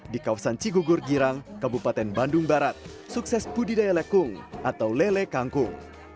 di kawasan cigugur girang kabupaten bandung barat sukses budidaya lekung atau lele kangkung